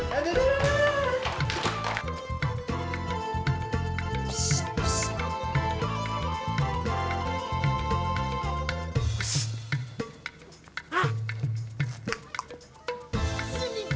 tidur tidur tidur